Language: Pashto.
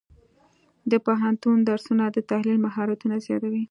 د پوهنتون درسونه د تحلیل مهارتونه زیاتوي.